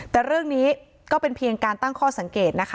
แต่เรื่องนี้ก็เป็นเพียงการตั้งข้อสังเกตนะคะ